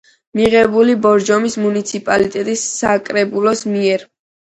მიღებულია ბორჯომის მუნიციპალიტეტის საკრებულოს მიერ.